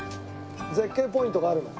絶景ポイントがあるの？